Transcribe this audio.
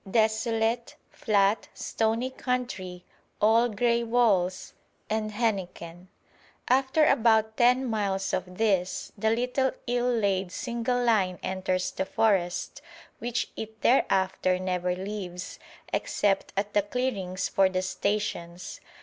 Desolate, flat, stony country, all grey walls and henequen. After about ten miles of this, the little ill laid single line enters the forest, which it thereafter never leaves, except at the clearings for the stations.